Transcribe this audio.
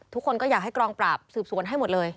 ทุกคนก็อยากให้กองปราบสืบสวนให้หมดเลย